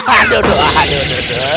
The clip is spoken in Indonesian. aduh aduh aduh